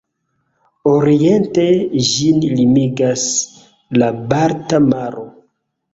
Oriente ĝin limigas la Balta Maro.